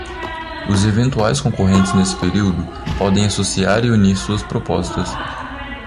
Os eventuais concorrentes, nesse período, podem associar e unir suas propostas.